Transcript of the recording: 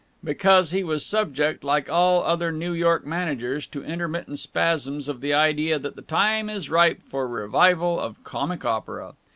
Because he was subject, like all other New York managers, to intermittent spasms of the idea that the time is ripe for a revival of comic opera.